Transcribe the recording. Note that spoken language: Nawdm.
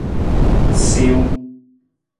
Siwung.